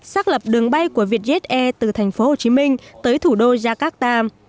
xác lập đường bay của vietjet air từ thành phố hồ chí minh tới thủ đô jakarta